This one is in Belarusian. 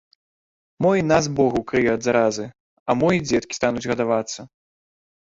Мо і нас бог укрые ад заразы, а мо і дзеткі стануць гадавацца!